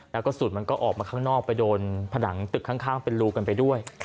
แล้วกระสุนมันก็ออกมาข้างนอกไปโดนผนังตึกข้างเป็นรูกันไปด้วย